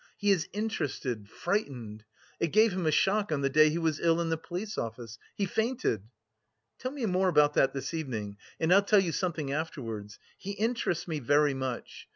He is interested, frightened. It gave him a shock on the day he was ill in the police office; he fainted." "Tell me more about that this evening and I'll tell you something afterwards. He interests me very much!